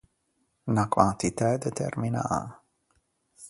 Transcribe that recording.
Unna quantitæ determinâ.